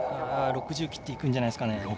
６０切っていくんじゃないですかね。